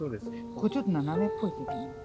これちょっと斜めっぽいけどな。